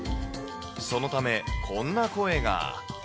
そのため、こんな声が。